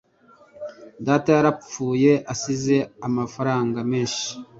Data yarapfuye, asize amafaranga menshi.